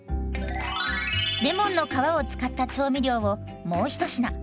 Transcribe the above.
レモンの皮を使った調味料をもう一品。